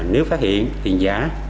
nếu phát hiện tiền giả